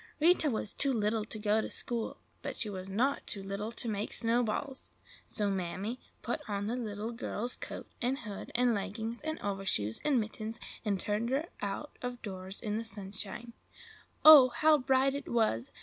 Rita was too little to go to school, but she was not too little to make snowballs. So Mammy put on the little girl's coat and hood, and leggings and overshoes and mittens, and turned her out of doors in the sunshine. Oh, how bright it was!